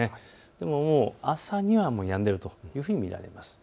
もう朝にはやんでいるというふうに見られます。